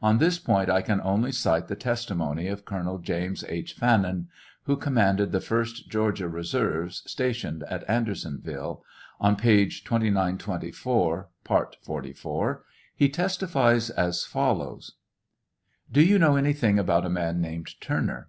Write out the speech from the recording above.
On this point I will only cite the testimony of Colonel James H. Fannin, who commanded the 1st Georgia reserves, stationed at Andersonville ; on page 2924, part 44, he testifies as follows : Do you know anything about a man named Turner